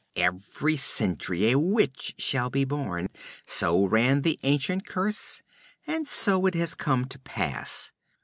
'"Every century a witch shall be born." So ran the ancient curse. And so it has come to pass.